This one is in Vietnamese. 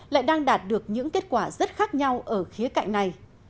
lại đang đạt được những kết quả rất khác nhau ở khía cạnh này